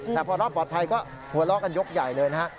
แต่พอรอบปลอดภัยก็หัวเราะกันยกใหญ่เลยนะฮะ